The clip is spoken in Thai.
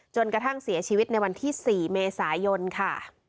จนกระทั่งเสียชีวิตในวันที่๔เมษายนค่ะ